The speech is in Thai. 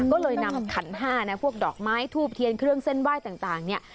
ก็เลยนำขันห้านะพวกดอกไม้ทูบเทียนเครื่องเส้นไหว้ต่างเนี่ย